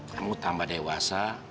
kamu tambah dewasa